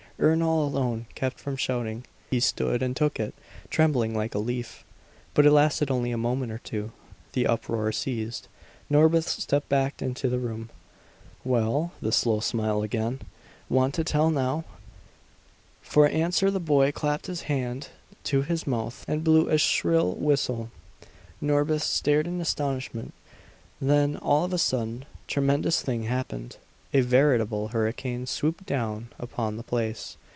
Ernol alone kept from shouting; he stood and took it, trembling like a leaf. But it lasted only a moment or two. The uproar ceased. Norbith stepped back into the room. "Well?" The slow smile again. "Want to tell now?" For answer the boy clapped his hand to his mouth and blew a shrill whistle. Norbith stared in astonishment. Then, all of a sudden, a tremendous thing happened. A veritable hurricane swooped down upon the place.